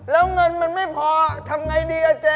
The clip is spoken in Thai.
แล้วเงินมันไม่พอทำไงดีอ่ะเจ๊